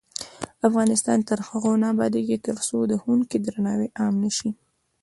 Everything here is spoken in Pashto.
افغانستان تر هغو نه ابادیږي، ترڅو د ښوونکي درناوی عام نشي.